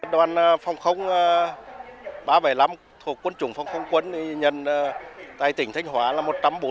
đoàn phòng không ba trăm bảy mươi năm thuộc quân chủng phòng không quân nhân tại tỉnh thanh hóa là một trăm bốn mươi